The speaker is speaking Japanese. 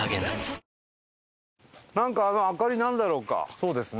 そうですね。